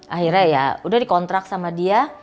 akhirnya ya udah dikontrak sama dia